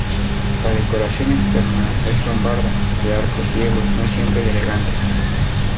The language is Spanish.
La decoración externa es lombarda, de arcos ciegos, muy simple y elegante.